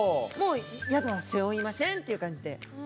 もうヤドは背負いませんっていう感じで。